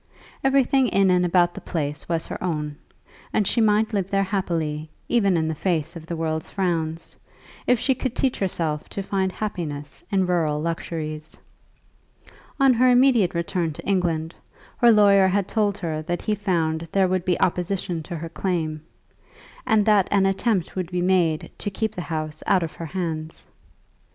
Everything in and about the place was her own, and she might live there happily, even in the face of the world's frowns, if she could teach herself to find happiness in rural luxuries. On her immediate return to England, her lawyer had told her that he found there would be opposition to her claim, and that an attempt would be made to keep the house out of her hands.